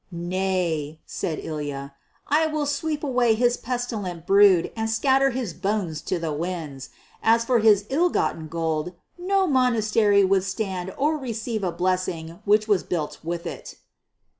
"Nay," said Ilya, "I will sweep away his pestilent brood and scatter his bones to the winds. As for his ill gotten gold, no monastery would stand or receive a blessing which was built with it."